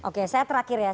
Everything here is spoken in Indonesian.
oke saya terakhir ya